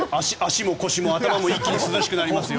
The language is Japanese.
足も腰も頭も一気に涼しくなりますよ。